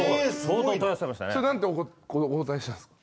それ何てお答えしたんですか？